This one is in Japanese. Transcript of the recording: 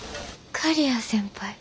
刈谷先輩？